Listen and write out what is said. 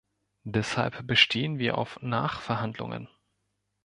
Deshalb bestehen wir auf Nachverhandlungen.